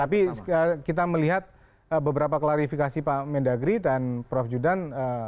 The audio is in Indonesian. tapi kita melihat beberapa klarifikasi pak mendagri dan prof judan